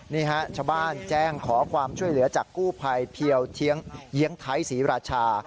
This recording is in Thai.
นี่ฮะชาวบ้านแจ้งขอความช่วยเหลือจากกู้ภัยเพียวเยียงไทยศรีราชา